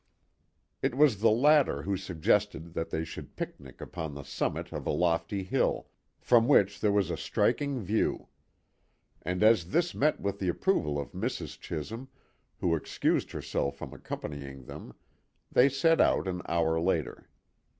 It was the latter who suggested that they should picnic upon the summit of a lofty hill, from which there was a striking view; and as this met with the approval of Mrs. Chisholm, who excused herself from accompanying them, they set out an hour later.